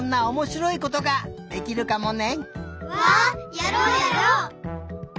やろうやろう！